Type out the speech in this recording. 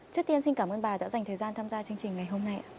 trước tiên xin cảm ơn bà đã dành thời gian tham gia chương trình ngày hôm nay